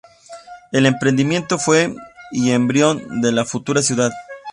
El emprendimiento fue y embrión de la futura ciudad.